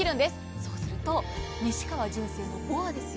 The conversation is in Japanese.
そうすると、西川純正のボアですよ。